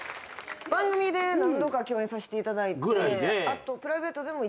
番組で何度か共演させてもらって。